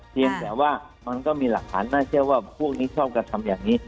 เพียงแต่ว่ามันก็มีหลักฐานน่าเชื่อว่าพวกนี้ชอบกระทำอย่างนี้